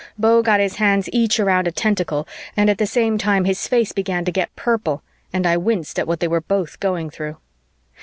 Beau got his hands each around a tentacle, and at the same time his face began to get purple, and I winced at what they were both going through.